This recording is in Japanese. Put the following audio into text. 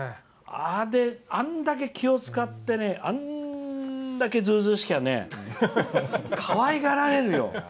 あんだけ気を遣ってあんだけ、ずうずうしければかわいがられるよ！